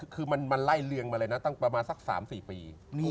คือมันไล่เลียงมาเลยนะตั้งประมาณสัก๓๔ปี